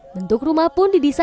bentuk rumah pun didesain